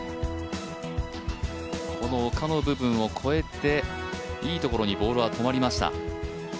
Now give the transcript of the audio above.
この丘の部分を越えて、いいところにボールは止まりました。